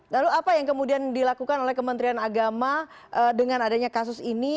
lalu apa yang kemudian dilakukan oleh kementerian agama dengan adanya kasus ini